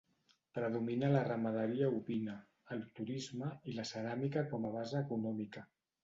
Predomina la ramaderia ovina, el turisme i la ceràmica com a base econòmica.